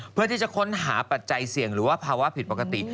เพื่อที่จะค้นหาปัจจัยเสี่ยงหรือว่าภาวะผิดปกติ